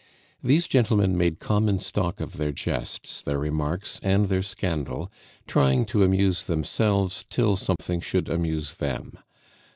These gentlemen made common stock of their jests, their remarks, and their scandal, trying to amuse themselves till something should amuse them.